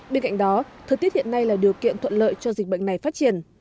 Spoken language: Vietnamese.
bên cạnh đó thời tiết hiện nay là điều kiện thuận lợi cho dịch bệnh này phát triển